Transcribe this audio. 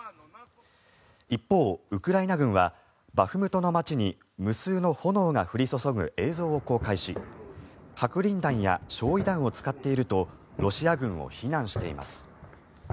一方、ウクライナ軍はバフムトの街に無数の炎が降り注ぐ映像を公開し白リン弾や焼い弾を使っているとロシア軍を非難しています。